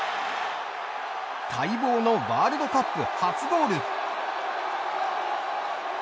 待望のワールドカップ初ゴール。